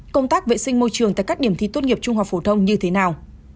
công tác vệ sinh môi trường tại các điểm thi tốt nghiệp trung học phổ thông như thế nào